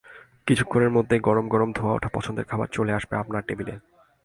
কিছুক্ষণের মধ্যেই গরম গরম ধোঁয়া ওঠা পছন্দের খাবার চলে আসবে আপনার টেবিলে।